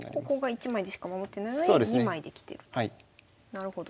なるほど。